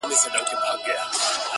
ورځيني ليري گرځــم ليــري گــرځــــم